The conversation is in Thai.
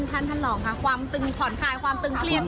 ท่านหล่อมค่ะความตึงผ่อนคายความตึงเคลียด